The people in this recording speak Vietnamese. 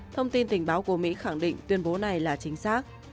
thông tin tình báo của mỹ khẳng định tuyên bố này là chính xác